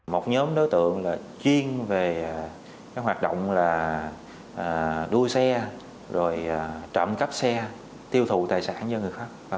một nhóm đối tượng chuyên về cái hoạt động là đua xe rồi trộm cắp xe tiêu thụ tài sản cho người khác